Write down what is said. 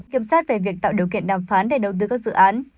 kiểm sát về việc tạo điều kiện đàm phán để đầu tư các dự án